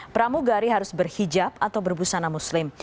pramugari harus berhijab atau berbusana muslim